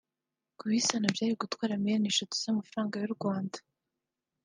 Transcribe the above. Kubisana byari gutwara miliyari eshatu z’amafaranga y’u Rwanda